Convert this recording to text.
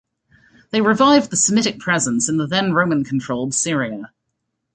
They revived the Semitic presence in the then Roman-controlled Syria.